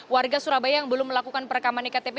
warga surabaya yang belum melakukan perekaman iktp